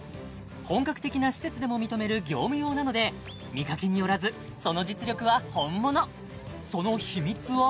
本格的な施設でも認める業務用なので見かけによらずその実力は本物その秘密は？